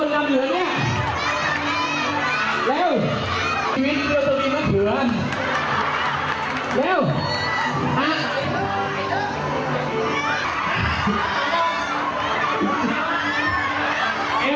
ไปเรื่อย